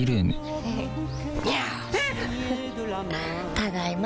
ただいま。